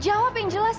jawab yang jelas rand